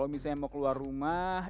misalnya mau keluar rumah